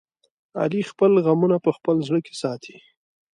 علي خپل غمونه په خپل زړه کې ساتي.